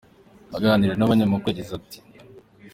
aganira n'abanyamakuru yagize ati.